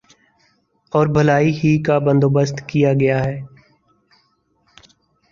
اور بھلائی ہی کا بندو بست کیا گیا ہے